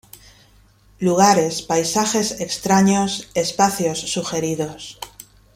Lugares, paisajes extraños, espacios sugeridos.